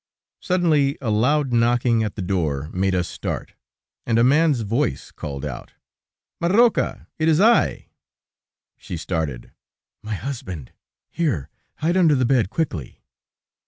Suddenly a loud knocking at the door made us start, and a man's voice called out: "Marroca, it is I." She started: "My husband! ... Here, hide under the bed, quickly."